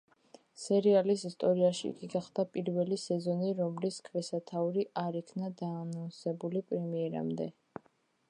სერიალის ისტორიაში იგი გახდა პირველი სეზონი რომლის ქვესათაური არ იქნა დაანონსებული პრემიერამდე.